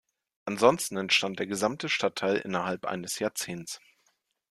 Ansonsten entstand der gesamte Stadtteil innerhalb eines Jahrzehnts.